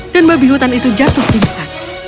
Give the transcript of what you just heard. dan babi hutan itu jatuh rinsan